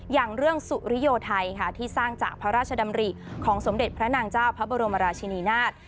อย่างเรื่องสุริโยไทยค่ะที่สร้างจากพระราชดำริของสมเด็จพระนางเจ้าพระบรมราชินีนาฏ